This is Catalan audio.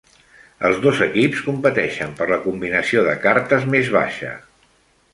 Els dos equips competeixen per la combinació de cartes més baixa.